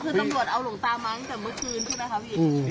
คือตำรวจเอาหลวงตามาตั้งแต่เมื่อคืนใช่ไหมคะพี่